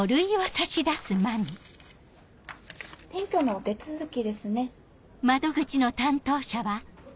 転居のお手続きですね。